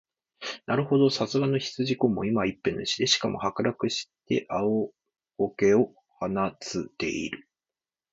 なるほど、さすがの羊公も、今は一片の石で、しかも剥落して青苔を蒙つてゐる。だから人生はやはり酒でも飲めと李白はいふのであらうが、ここに一つ大切なことがある。